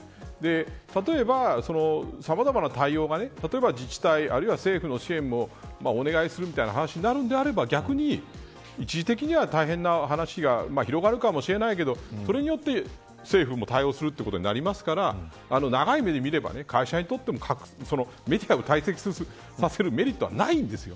例えば、さまざまな対応が例えば自治体、政府の支援もお願いするみたいな話になるのであれば逆に、一時的には大変なお話が広がるかもしれないけどそれによって政府も対応するということになりますから長い目で見れば、会社にとってもメディアを退席させるメリットはないんです。